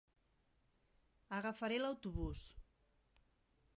Agafaré l'autobús.